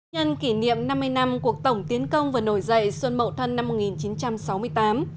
nhân kỷ niệm năm mươi năm cuộc tổng tiến công và nổi dậy xuân mậu thân năm một nghìn chín trăm sáu mươi tám